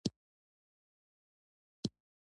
• دښمني د خوښۍ دښمنه ده.